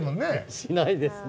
しないですね。